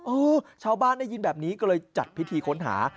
ชาวบ้านได้ยินแบบนี้ก็เลยจัดพิธีค้นหา